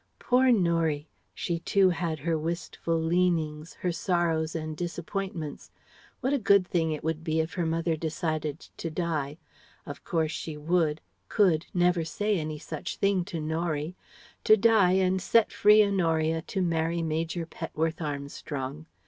Poor Norie! She too had her wistful leanings, her sorrows and disappointments. What a good thing it would be if her mother decided to die of course she would, could, never say any such thing to Norie to die and set free Honoria to marry Major Petworth Armstrong!